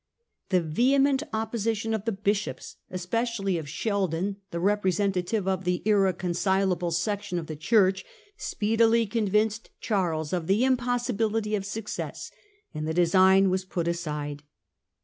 The vehement opposition of the bishops, especially of Sheldon, the representative of the irreconcilable section of the Church, speedily convinced Charles of the impossibility of success, and the design was put aside.